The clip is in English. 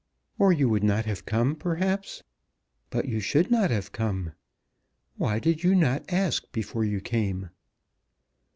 "Or you would not have come, perhaps? But you should not have come. Why did you not ask before you came?"